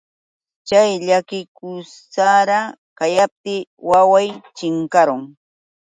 Chay llakikusalla kayaptiy waway chinkarun.